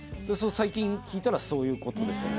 最近聞いたらそういうことでしたね